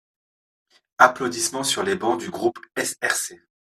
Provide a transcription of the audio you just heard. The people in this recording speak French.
(Applaudissements sur les bancs du groupe SRC).